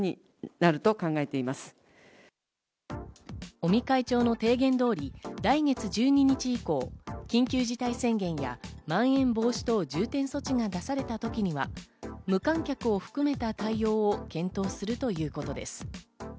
尾身会長の提言通り来月１２日以降、緊急事態宣言やまん延防止等重点措置が出された時には無観客を含めた対応を検討するということです。